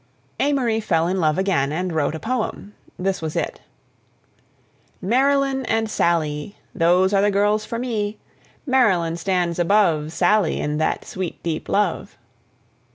Amory fell in love again, and wrote a poem. This was it: "Marylyn and Sallee, Those are the girls for me. Marylyn stands above Sallee in that sweet, deep love."